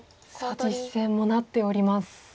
実戦もなっております。